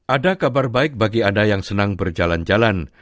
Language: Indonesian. ada kabar baik bagi anda yang senang berjalan jalan